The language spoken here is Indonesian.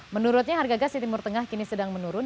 menurutnya harga gas di timur tengah kini sedang menurun